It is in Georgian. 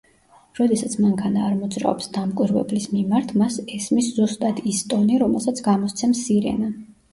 როდესაც მანქანა არ მოძრაობს დამკვირვებლის მიმართ, მას ესმის ზუსტად ის ტონი რომელსაც გამოსცემს სირენა.